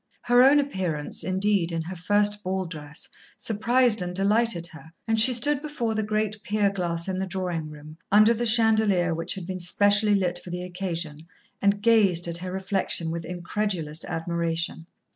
Her own appearance, indeed, in her first ball dress, surprised and delighted her, and she stood before the great pier glass in the drawing room, under the chandelier which had been specially lit for the occasion, and gazed at her reflection with incredulous admiration.